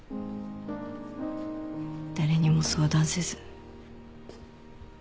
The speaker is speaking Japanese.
誰にも相談せず。